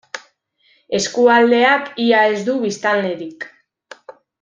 Eskualdeak ia ez du biztanlerik.